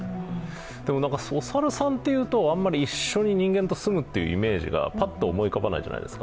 でもお猿さんというとあんまり人間と一緒に住むイメージがパッと思い浮かばないじゃないですか。